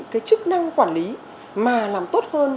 cái chức năng quản lý mà làm tốt hơn